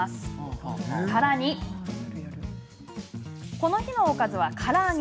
この日のおかずは、から揚げ。